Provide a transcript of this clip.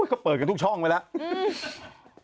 ก็เปิดกันทุกช่องไว้แล้ว